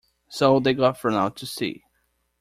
So they got thrown out to sea.